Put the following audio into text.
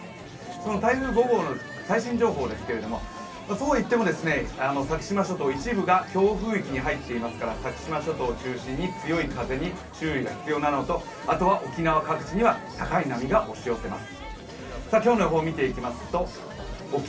その台風５号の最新情報ですが、そうはいっても先島諸島一部が強風域に入っていますから先島諸島を中心に強い風に注意が必要なのと、あとは沖縄各地には高い波が押し寄せます。